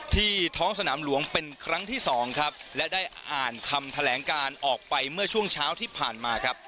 ท้องสนามหลวงเป็นครั้งที่สองครับและได้อ่านคำแถลงการออกไปเมื่อช่วงเช้าที่ผ่านมาครับ